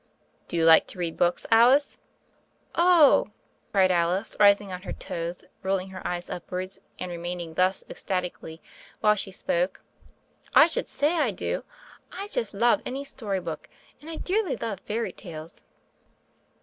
"Do you like to read books, Alice?" "Oh I" cried Alice, rising on her toes, rolling her eyes upwards, and remaining thus ecstati cally while she spoke, "I should say I do. I just love any story book, and I dearly love fairy tales."